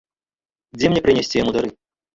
Дзе мне прынесці яму дары?